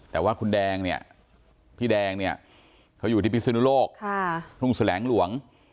แต่ว่าคุณแดงเนี่ยพี่แดงเนี่ยเขาอยู่ที่พิศนุโลกทุ่งแสลงหลวง